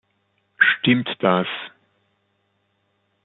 Stimmt das!